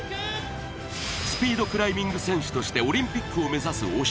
スピードクライミング選手としてオリンピックを目指す大嶋。